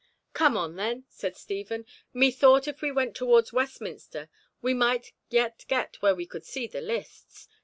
"Come on, then," said Stephen. "Methought if we went towards Westminster we might yet get where we could see the lists.